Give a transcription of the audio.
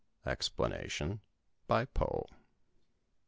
_Explanation by Poe.